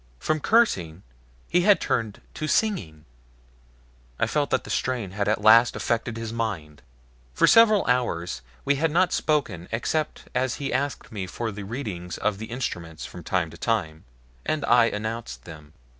From cursing he had turned to singing I felt that the strain had at last affected his mind. For several hours we had not spoken except as he asked me for the readings of the instruments from time to time, and I announced them.